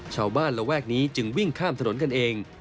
ระแวกนี้จึงวิ่งข้ามถนนกันเอง